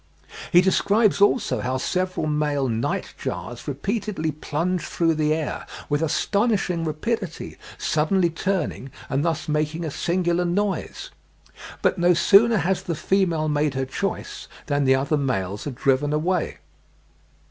He describes also how several male night jars repeatedly plunge through the air with astonishing rapidity, suddenly turning, and thus making a singular noise; "but no sooner has the female made her choice than the other males are driven away."